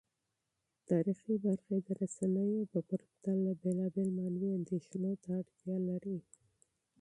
تاریخي برخې د رسنیو په پرتله مختلفو معنوي اندیښنو ته اړتیا لري.